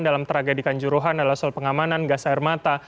dalam tragedi kanjuruhan adalah soal pengamanan gas air mata